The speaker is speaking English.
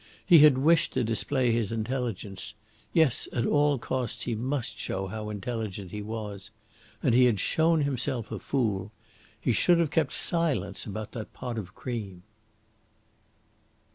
He had wished to display his intelligence yes, at all costs he must show how intelligent he was. And he had shown himself a fool. He should have kept silence about that pot of cream.